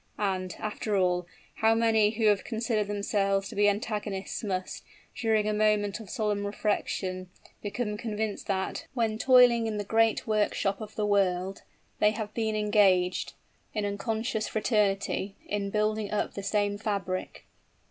And, after all, how many who have considered themselves to be antagonists must, during a moment of solemn reflection, become convinced that, when toiling in the great workshop of the world, they have been engaged, in unconscious fraternity, in building up the same fabric!